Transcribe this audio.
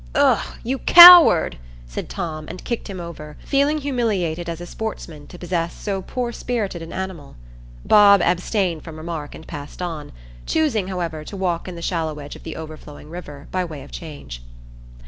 "Ugh! you coward!" said Tom, and kicked him over, feeling humiliated as a sportsman to possess so poor spirited an animal. Bob abstained from remark and passed on, choosing, however, to walk in the shallow edge of the overflowing river by way of change.